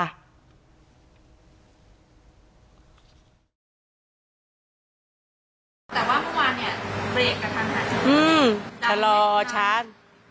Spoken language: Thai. แต่ว่าเมื่อวานเนี่ยเบรกกันค่ะอืมชะลอชั้น